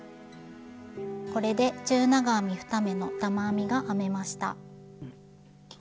これで中長編み２目の玉編みが編めました。